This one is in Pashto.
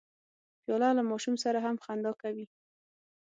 پیاله له ماشوم سره هم خندا کوي.